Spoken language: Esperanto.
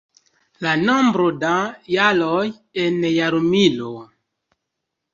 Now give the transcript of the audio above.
La nombro da jaroj en jarmilo.